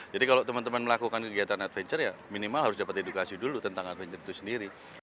jadi kalau teman teman melakukan kegiatan adventure ya minimal harus dapat edukasi dulu tentang adventure itu sendiri